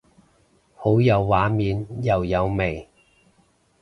好有畫面又有味